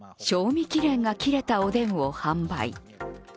賞味期限が切れたおでんを販売。